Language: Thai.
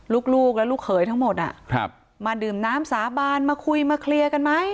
ลูกและลูกเขยทั้งหมดมาดื่มน้ำสาบานมาคุยมาเคลียร์กันไหม